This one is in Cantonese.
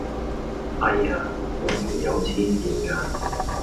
唉呀！果條友痴線㗎！